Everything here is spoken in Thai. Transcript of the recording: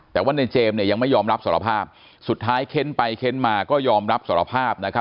แต่ว่าในเจมส์เนี่ยยังไม่ยอมรับสารภาพสุดท้ายเค้นไปเค้นมาก็ยอมรับสารภาพนะครับ